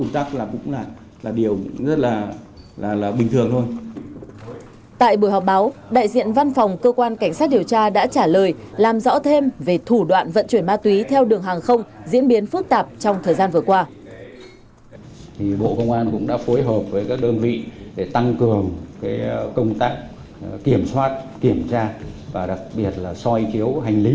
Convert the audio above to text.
tại buổi họp báo đại diện văn phòng cơ quan cảnh sát điều tra đã trả lời làm rõ nhiều vấn đề được các phóng viên báo chí nêu